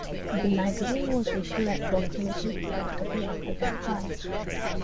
The magazine was issued approximately quarterly after that time.